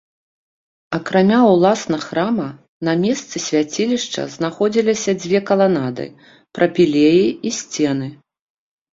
Акрамя ўласна храма, на месцы свяцілішча знаходзіліся дзве каланады, прапілеі і сцены.